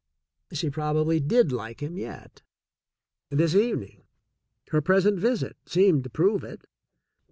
She probably did like him yet. This evening, her present visit, seemed to prove it.